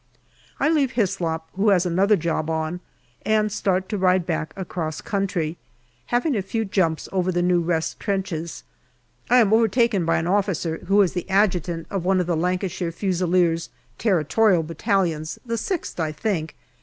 I leave Hyslop, who has another job on, and start to ride back across country, having a few jumps over the new rest trenches. I am overtaken by an officer who is the Adjutant of one of the Lancashire Fusiliers (Territorial) Battalions, the 6th, I think.